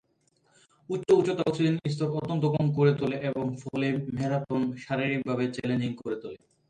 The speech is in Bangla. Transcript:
উচ্চ উচ্চতা অক্সিজেন স্তর অত্যন্ত কম করে তোলে এবং ফলে ম্যারাথন শারীরিকভাবে চ্যালেঞ্জিং করে তোলে।